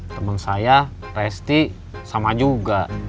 temen saya resti sama juga